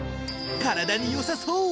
体に良さそう。